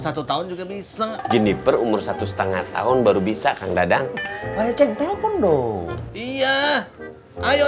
satu tahun juga bisa jenniper umur satu setengah tahun baru bisa kang dadang baca telpon dong iya ayo